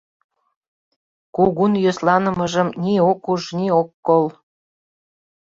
Кугун йӧсланымыжым ни ок уж, ни ок кол.